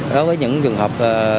đối với những trường hợp